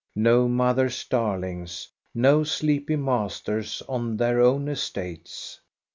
^ No mother's daffKlts, no sleepy masters gA their own estates.